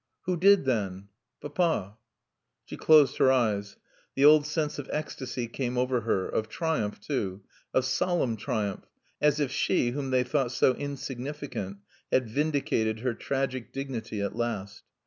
"Who did then?" "Papa." She closed her eyes. The old sense of ecstasy came over her, of triumph too, of solemn triumph, as if she, whom they thought so insignificant, had vindicated her tragic dignity at last.